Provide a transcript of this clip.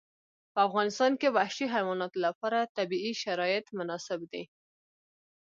په افغانستان کې وحشي حیواناتو لپاره طبیعي شرایط مناسب دي.